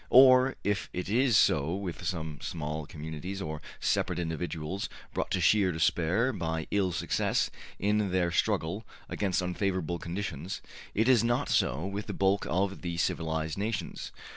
or if it is so with some small communities, or separate individuals, brought to sheer despair by ill success in their struggle against unfavorable conditions, it is not so with the bulk of the civilized nations.